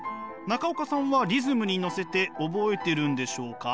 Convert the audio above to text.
中岡さんはリズムに乗せて覚えてるんでしょうか？